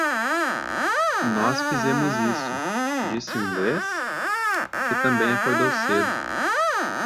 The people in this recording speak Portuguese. "Nós fizemos isso!" disse o inglês? que também acordou cedo.